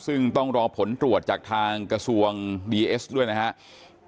ซึ่งต้องรอผลตรวจจากทางกระทรวงดีเอสด้วยนะครับ